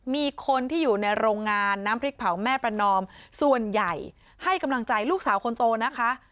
มีคนที่อยู่ในโรงงานน้ำพริกเผาแม่ประนอมส่วนใหญ่ให้กำลังใจลูกสาวคนโตนะคะ